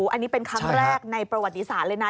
อันนี้เป็นครั้งแรกในประวัติศาสตร์เลยนะ